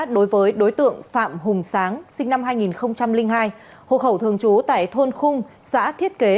đối với đối tượng phạm hùng sáng sinh năm hai nghìn hai hồ khẩu thường trú tại thôn khung xã thiết kế